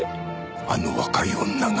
あの若い女が。